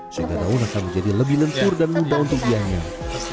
sehingga daun akan menjadi lebih lentur dan mudah untuk dianyam